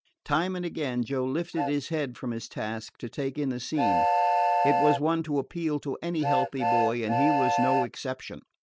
Time and again Joe lifted his head from his task to take in the scene. It was one to appeal to any healthy boy, and he was no exception.